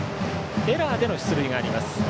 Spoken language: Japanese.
エラーでの出塁があります。